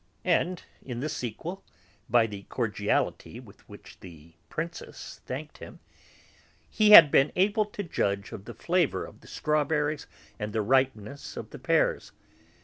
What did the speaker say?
And in the sequel, by the cordiality with which the Princess thanked him, he had been able to judge of the flavour of the strawberries and of the ripeness of the pears.